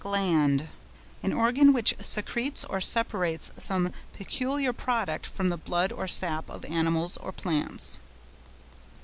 GLAND.—An organ which secretes or separates some peculiar product from the blood or sap of animals or plants.